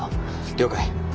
了解。